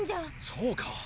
そうか！